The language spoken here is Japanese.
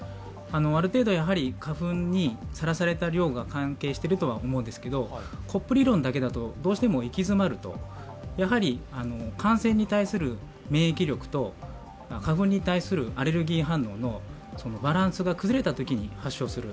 ある程度、花粉にさらされた量が関係しているとは思うんですけどコップ理論だけだと、どうしても行き詰まると、やはり感染に対する免疫力と花粉に対するアレルギー反応のバランスが崩れたときに発症する